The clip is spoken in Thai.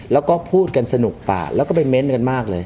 แล้วก็พูดกันสนุกปากแล้วก็ไปเม้นต์กันมากเลย